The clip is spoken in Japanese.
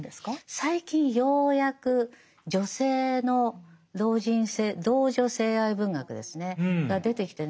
最近ようやく女性の老人性老女性愛文学ですねが出てきてね